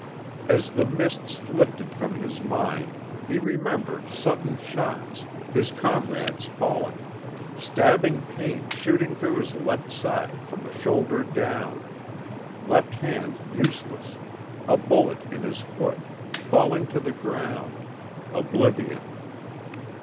As the mists lifted from his mind he remembered sudden shots his comrades falling stabbing pain shooting through his left side from the shoulder down left hand useless a bullet in his foot falling to the ground oblivion.